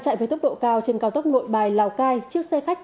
sở giáo dục đào tạo